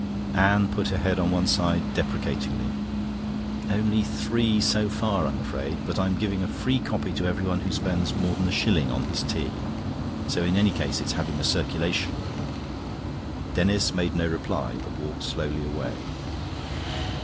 Anne put her head on one side deprecatingly. "Only three so far, I'm afraid. But I'm giving a free copy to everyone who spends more than a shilling on his tea. So in any case it's having a circulation." Denis made no reply, but walked slowly away.